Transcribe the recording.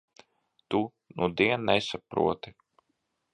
Tu nudien nesaproti.